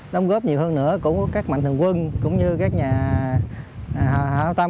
đóng góp nhiều hơn nữa của các mạnh thường quân cũng như các nhà hào tâm